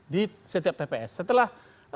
di setiap tps setelah